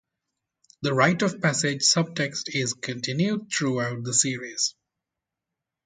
This rite-of-passage subtext is continued throughout the series.